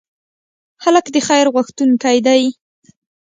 هلک د خیر غوښتونکی دی.